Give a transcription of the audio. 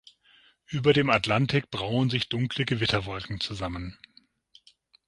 Über dem Atlantik brauen sich dunkle Gewitterwolken zusammen.